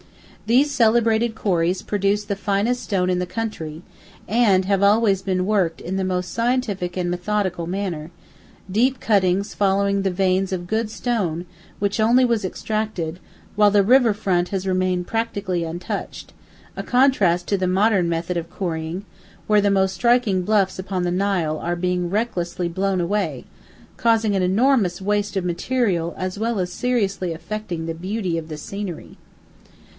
These celebrated quarries produce the finest stone in the country, and have always been worked in the most scientific and methodical manner, deep cuttings following the veins of good stone which only was extracted, while the river front has remained practically untouched a contrast to the modern method of quarrying, where the most striking bluffs upon the Nile are being recklessly blown away, causing an enormous waste of material as well as seriously affecting the beauty of the scenery.